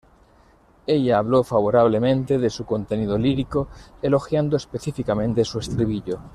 Ella habló favorablemente de su contenido lírico, elogiando específicamente su estribillo.